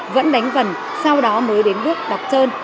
vẫn đánh vần sau đó mới đến bước đọc trơn